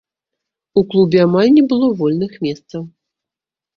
У клубе амаль не было вольных месцаў.